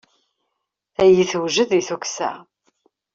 Tayi tewjed i tukksa.